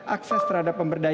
akses terhadap pemberdayaan